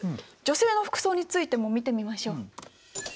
女性の服装についても見てみましょう。